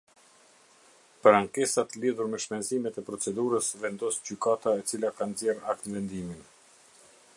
Për ankesat lidhur me shpenzimet e procedurës vendos Gjykata e cila ka nxjerr aktvendimin.